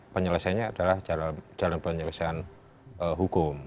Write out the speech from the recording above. penyelesaiannya adalah dalam penyelesaian hukum